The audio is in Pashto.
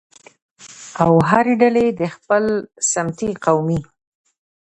او هرې ډلې د خپل سمتي، قومي